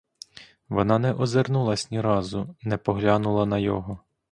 Вона не озирнулась ні разу, не поглянула на його.